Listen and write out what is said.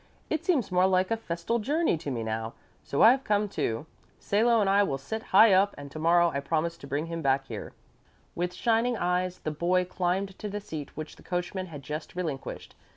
It seems more like a festal journey to me now, so I've come, too. Salo and I will sit high up and to morrow I promise to bring him back here." With shining eyes the boy climbed to the seat which the coachman had just relinquished.